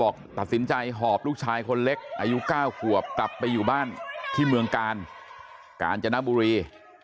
การจนบุรี